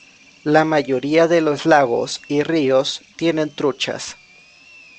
La mayoría de los lagos y ríos tienen truchas.